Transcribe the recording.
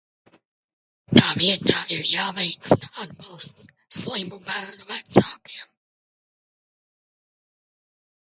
Tā vietā ir jāveicina atbalsts slimu bērnu vecākiem.